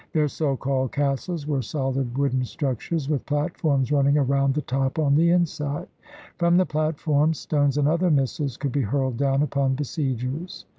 Their so called castles were solid wooden structures with platforms running around the top on the inside. From the platforms stones and other missiles could be hurled down upon besiegers.